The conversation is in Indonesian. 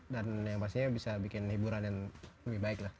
dan yang pastinya bisa bikin hiburan yang lebih baik lah